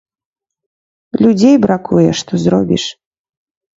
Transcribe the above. Людзей бракуе, што зробіш.